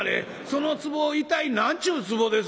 そのつぼ一体何ちゅうつぼです？」。